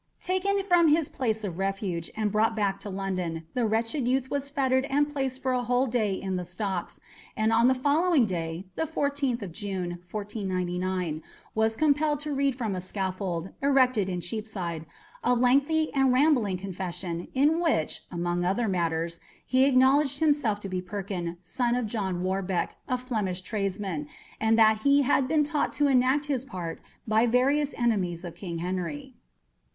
Taken from his place of refuge, and brought back to London, the wretched youth was fettered and placed for a whole day in the stocks, and on the following day, the 14th June, 1499, was compelled to read from a scaffold, erected in Cheapside, a lengthy and rambling confession, in which, among other matters, he acknowledged himself to be Perkin, son of John Warbeck, a Flemish tradesman, and that he had been taught to enact his part by various enemies of King Henry.